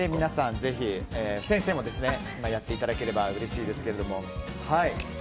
ぜひ、先生もやっていただければ嬉しいですけども。